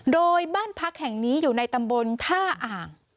โดยบ้านพักแห่งนี้อยู่ในตำบลท่าอ่าง